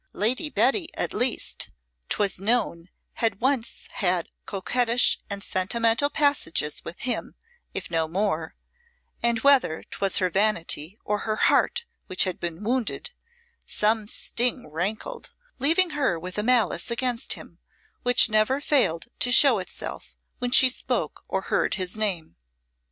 Lady Betty, at least, 'twas known had once had coquettish and sentimental passages with him, if no more; and whether 'twas her vanity or her heart which had been wounded, some sting rankled, leaving her with a malice against him which never failed to show itself when she spoke or heard his name.